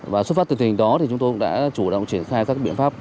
và xuất phát từ tình hình đó thì chúng tôi đã chủ động triển khai các biện pháp